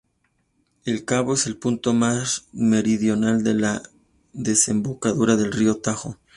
El cabo es el punto más meridional de la desembocadura del río Tajo.